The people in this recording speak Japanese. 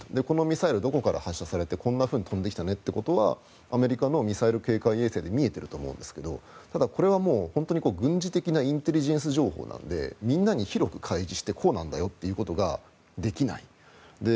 このミサイルどこから発射されてこんなふうに飛んできたねというのはアメリカのミサイル警戒衛星で見えていると思うんですがこれは軍事的なインテリジェンス情報なのでみんなに広く開示してこうなんだよということができない。